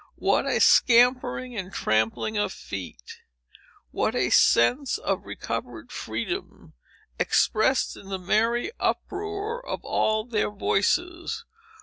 —what a scampering and trampling of feet!—what a sense of recovered freedom, expressed in the merry uproar of all their voices!